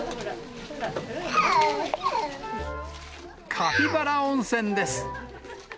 カピバラ温泉です。